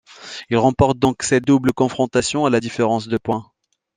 Ils remporte donc cette double confrontation à la différence de points.